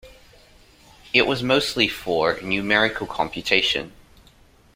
It was mostly for numerical computation.